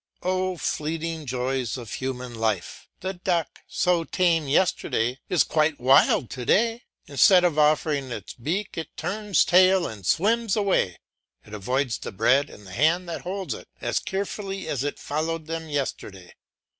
Oh fleeting joys of human life! the duck, so tame yesterday, is quite wild to day; instead of offering its beak it turns tail and swims away; it avoids the bread and the hand that holds it as carefully as it followed them yesterday.